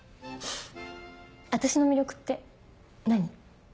私の魅力って何？